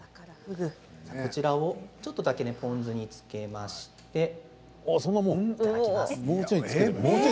こちらをちょっとだけポン酢につけまして。